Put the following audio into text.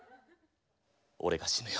俺が死ぬよ。